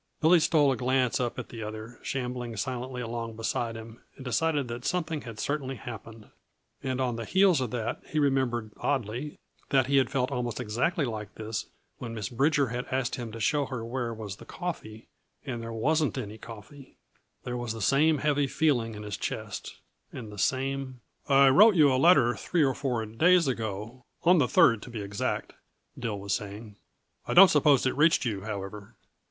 Billy stole a glance up at the other, shambling silently along beside him, and decided that something had certainly happened and on the heels of that he remembered oddly that he had felt almost exactly like this when Miss Bridger had asked him to show her where was the coffee, and there wasn't any coffee. There was the same heavy feeling in his chest, and the same "I wrote you a letter three or four days ago on the third, to be exact," Dill was saying. "I don't suppose it reached you, however.